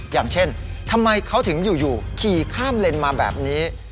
อย่างเช่นทำไมเขาถึงอยู่ขี่ข้ามเลนมาแบบนี้